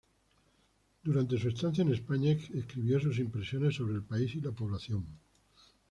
Durante su estancia en España escribió sus impresiones sobre el país y la población.